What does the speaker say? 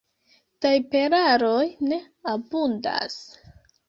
Tajperaroj ne abundas.